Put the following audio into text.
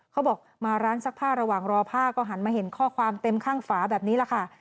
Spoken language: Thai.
เขาบอกมาร้านซักผ้าระหว่างรอผ้าก็หันมาเห็นข้อความเต็มข้างฝาแบบนี้แหละค่ะ